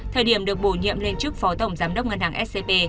thời điểm được bổ nhiệm lên trước phó tổng giám đốc ngân hàng scp